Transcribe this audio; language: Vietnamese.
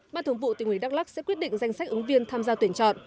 ban thường vụ tỉnh ủy đắk lắc sẽ quyết định danh sách ứng viên tham gia tuyển chọn